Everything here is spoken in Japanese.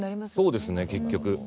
そうですね、結局。